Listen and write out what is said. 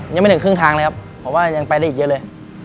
ยังไม่ถึงครึ่งทางเลยครับเพราะว่ายังไปได้อีกเยอะเลย